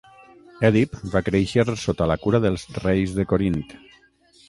Èdip va créixer sota la cura dels reis de Corint.